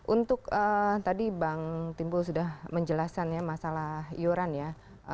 untuk tadi bang timbul sudah menjelaskan ya masalah iuran ya